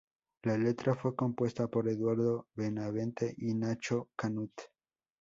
La letra fue compuesta por Eduardo Benavente y Nacho Canut.